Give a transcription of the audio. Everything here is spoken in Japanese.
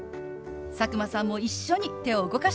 佐久間さんも一緒に手を動かしてみましょう。